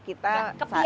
kita pengen lihat